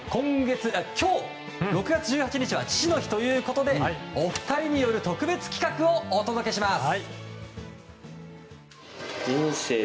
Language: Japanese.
今日、６月１８日は父の日ということでお二人による特別企画をお届けします。